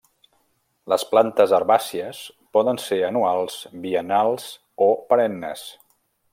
Les plantes herbàcies poden ser anuals, biennals o perennes.